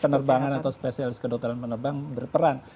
penerbangan atau spesialis kedokteran penerbangan berperan